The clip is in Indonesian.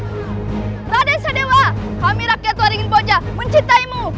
raden pradensa dewa kami rakyat waringin boja mencintaimu